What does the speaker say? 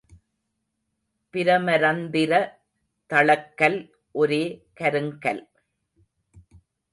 பிரமரந்திர தளக்கல் ஒரே கருங்கல்.